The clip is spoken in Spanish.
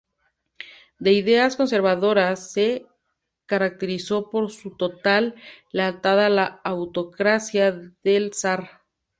De ideas conservadoras, se caracterizó por su total lealtad a la autocracia del zar.